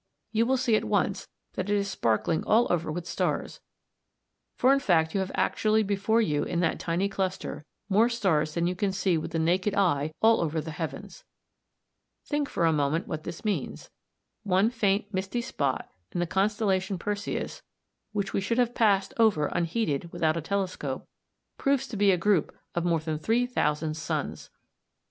You will see at once that it is sparkling all over with stars, for in fact you have actually before you in that tiny cluster more stars than you can see with the naked eye all over the heavens! Think for a moment what this means. One faint misty spot in the constellation Perseus, which we should have passed over unheeded without a telescope, proves to be a group of more than 3000 suns!